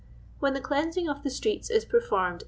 i When the clenii&iiig of the streets is performed